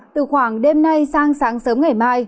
từ khoảng đêm nay sang sáng sớm ngày mai